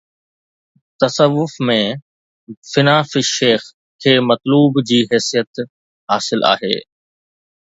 تصوف ۾ فنا في الشيخ کي مطلوب جي حيثيت حاصل آهي.